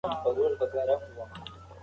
که خویندې غیرت ولري نو سر به ټیټ نه وي.